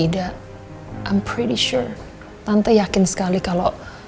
dan tante melihat